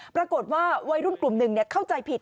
ปรากฏว่าวัยรุ่นกลุ่มหนึ่งเนี่ยเข้าใจผิด